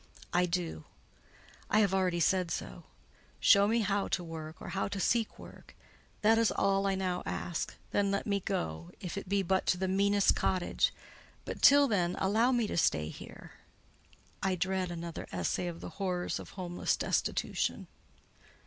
"I do: I have already said so. Show me how to work, or how to seek work: that is all I now ask; then let me go, if it be but to the meanest cottage; but till then, allow me to stay here: I dread another essay of the horrors of homeless destitution."